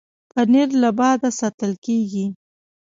پنېر له باده ساتل کېږي.